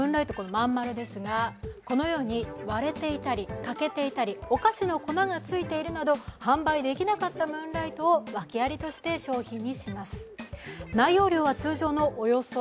このように割れていたり欠けていたりお菓子の粉がついているなど、販売できなかったムーンライトを訳ありとして商品にします。